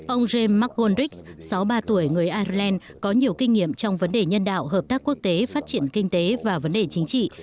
ông james macronrix sáu mươi ba tuổi người ireland có nhiều kinh nghiệm trong vấn đề nhân đạo hợp tác quốc tế phát triển kinh tế và vấn đề chính trị